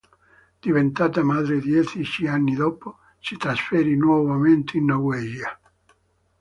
Diventata madre dieci anni dopo, si trasferì nuovamente in Norvegia.